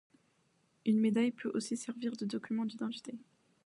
Une médaille peut aussi servir de document d'identité.